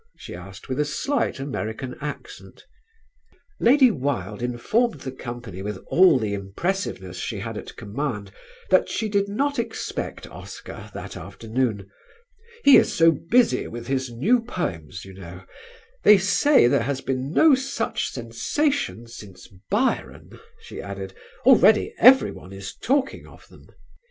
she asked with a slight American accent. Lady Wilde informed the company with all the impressiveness she had at command that she did not expect Oscar that afternoon; "he is so busy with his new poems, you know; they say there has been no such sensation since Byron," she added; "already everyone is talking of them."